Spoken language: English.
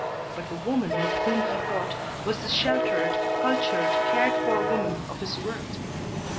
But the woman of whom he thought was the sheltered, cultured, cared for woman of his world.